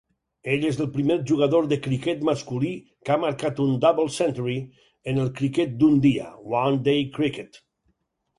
Ell és el primer jugador de criquet masculí que ha marcat un "double-century" en el criquet d'un dia (one-day cricket).